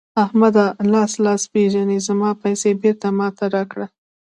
احمده؛ لاس لاس پېژني ـ زما پيسې بېرته ما ته راکړه.